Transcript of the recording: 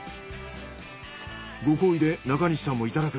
ご厚意で中西さんもいただく。